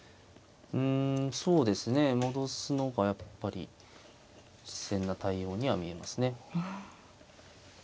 うんそうですね戻すのがやっぱり自然な対応には見えますね。